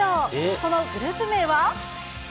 そのグループ名は。